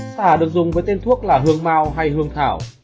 xả được dùng với tên thuốc là hương mao hay hương thảo